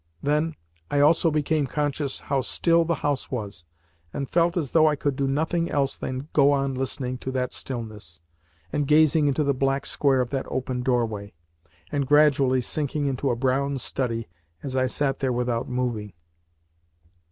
Then, I also became conscious how still the house was, and felt as though I could do nothing else than go on listening to that stillness, and gazing into the black square of that open doorway, and gradually sinking into a brown study as I sat there without moving.